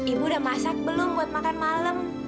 ibu udah masak belum buat makan malam